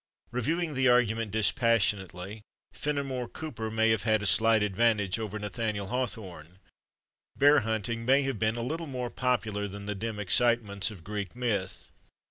Reviewing the argument dispassionately, Fenimore Cooper may have had a slight advantage over Nathaniel Haw thorne ; bear hunting may have been a little more popular than the dim excitements of Greek myth.